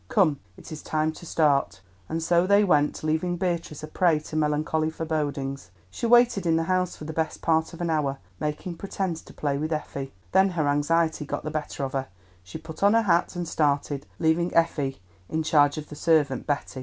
Come, it is time to start." And so they went, leaving Beatrice a prey to melancholy forebodings. She waited in the house for the best part of an hour, making pretence to play with Effie. Then her anxiety got the better of her; she put on her hat and started, leaving Effie in charge of the servant Betty.